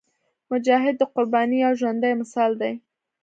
مجاهد د قربانۍ یو ژوندی مثال دی.